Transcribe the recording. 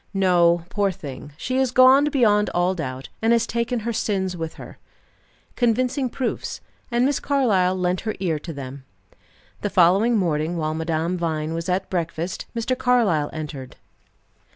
No, poor thing, she is gone beyond all doubt, and has taken her sins with her." Convincing proofs; and Miss Carlyle lent her ear to them. The following morning while Madame Vine was at breakfast, Mr. Carlyle entered.